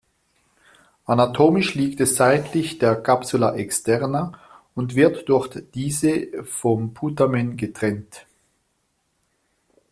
Anatomisch liegt es seitlich der "Capsula externa" und wird durch diese vom Putamen getrennt.